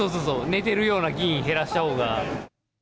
寝てるような議員減らしたほうが。